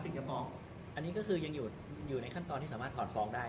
จะฟ้องอันนี้ก็คือยังอยู่ในขั้นตอนที่สามารถถอดฟ้องได้